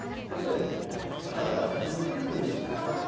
要するに花が咲きにくいっていうやつですね。